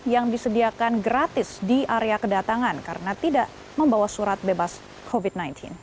yang disediakan gratis di area kedatangan karena tidak membawa surat bebas covid sembilan belas